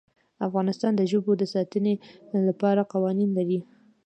افغانستان د ژبو د ساتنې لپاره قوانین لري.